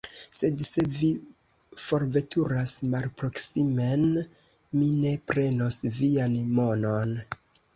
Sed se vi forveturas malproksimen, mi ne prenos vian monon.